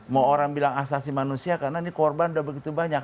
mau orang bilang asasi manusia karena ini korban udah begitu banyak